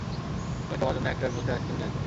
আমি তোমার জন্য এক ট্রাক ভর্তি আইসক্রিম নিয়ে আসব।